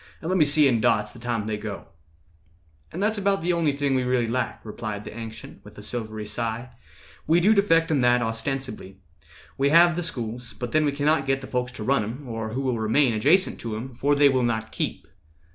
And let me see in dots the time they go." "And that's the only thing we really lack," Replied the Ancient, with a silvery sigh; "We do defect in that ostensibly. We have the schools, but then we cannot git The folks to run 'em, or who will remain Adjacent to 'em, for they will not keep."